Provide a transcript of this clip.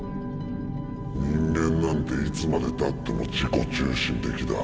人間なんていつまでたっても自己中心的だ。